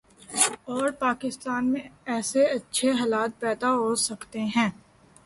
اور پاکستان میں ایسے اچھے حالات پیدا ہوسکتے ہیں ۔